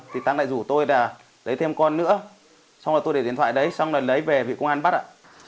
thì thắng lại rủ tôi là lấy thêm con nữa xong rồi tôi để điện thoại đấy xong rồi lấy về vì công an bắt ạ